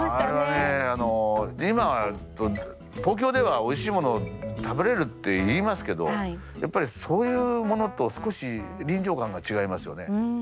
あれはねあの今東京ではおいしいもの食べれるって言いますけどやっぱりそういうものと少し臨場感が違いますよね。